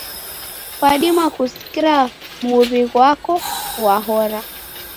Kwadima kusikira muw'i ghwako ghwahora.